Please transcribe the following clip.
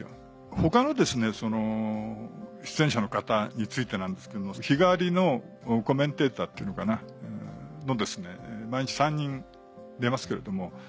他の出演者の方についてなんですけども日替わりのコメンテーターっていうのかな毎日３人出ますけれども。